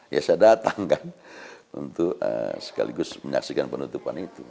ya saya datang kan untuk sekaligus menyaksikan penutupan itu